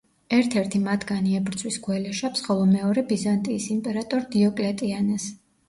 ერთ-ერთი მათგანი ებრძვის გველეშაპს ხოლო მეორე ბიზანტიის იმპერატორ დიოკლეტიანეს.